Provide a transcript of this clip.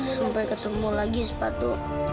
sampai ketemu lagi sepatu